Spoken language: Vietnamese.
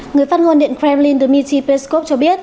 người phát ngôn điện kremlin dmitry peskov cho biết